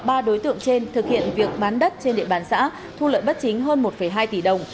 ba đối tượng trên thực hiện việc bán đất trên địa bàn xã thu lợi bất chính hơn một hai tỷ đồng